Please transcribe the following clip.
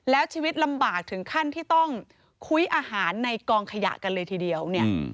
แล้วชีวิตลำบากถึงขั้นที่ต้องคุ้ยอาหารในกองขยะกันเลยทีเดียวเนี่ย